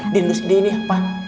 dindus deh ini ya pak